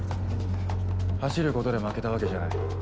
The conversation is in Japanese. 走ることで負けたわけじゃない。